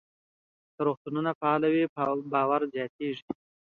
که روغتونونه فعال وي، باور زیاتېږي.